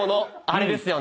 あれですよ。